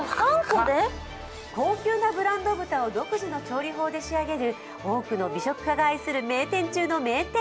高級なブランド豚を独自の調理法で仕上げる多くの美食家が愛する名店中の名店。